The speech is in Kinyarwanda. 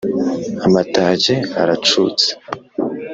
Amatage aracutse